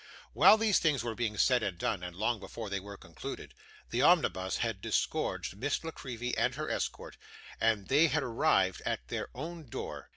While these things were being said and done, and long before they were concluded, the omnibus had disgorged Miss La Creevy and her escort, and they had arrived at her own door.